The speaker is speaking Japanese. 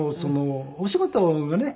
お仕事がね